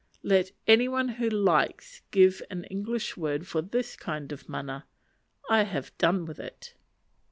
Let any one who likes give an English word for this kind of mana. I have done with it.